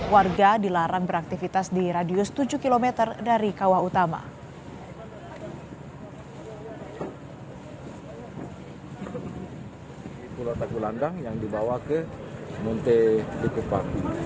warga dilarang beraktivitas di radius tujuh km dari kawah utama